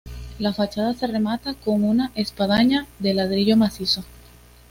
La fachada se remata con una espadaña de ladrillo macizo.